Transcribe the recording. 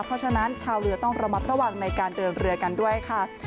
เพราะฉะนั้นชาวเรือต้องระมัดระวังในการเดินเรือกันด้วยค่ะ